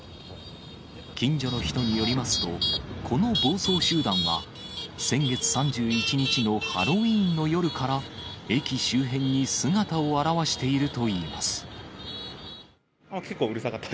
近所の人によりますと、この暴走集団は、先月３１日のハロウィーンの夜から駅周辺に姿を現しているといい結構うるさかった。